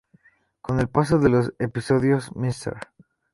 Con el paso de los episodios, Mr.